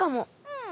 うん。